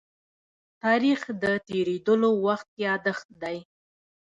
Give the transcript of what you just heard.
تاریخ د تېرېدلو وخت يادښت دی.